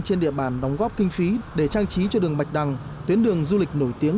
trên địa bàn đóng góp kinh phí để trang trí cho đường bạch đăng tuyến đường du lịch nổi tiếng